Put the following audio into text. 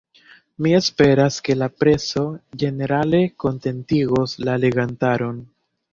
Ni esperas, ke la preso ĝenerale kontentigos la legantaron.